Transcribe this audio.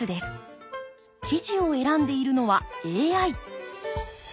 記事を選んでいるのはＡＩ。